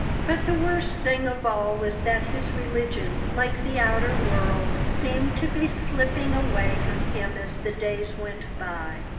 But the worst thing of all was that his religion, like the outer world, seemed to be slipping away from him as the days went by.